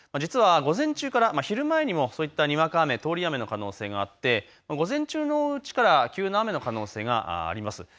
実は午前中から昼前にもそういった雨、通り雨の可能性があって午前中のうちから急な雨の可能性があります。